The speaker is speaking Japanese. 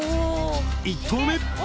１投目。